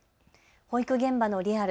保育現場のリアル。